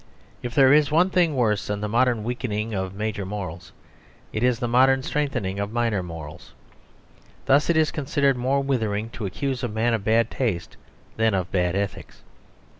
If there is one thing worse than the modern weakening of major morals, it is the modern strengthening of minor morals. Thus it is considered more withering to accuse a man of bad taste than of bad ethics.